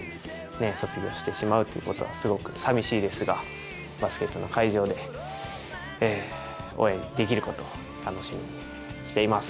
卒業してしまうということはすごくさみしいですが、バスケットの会場で、お会いできることを楽しみにしています。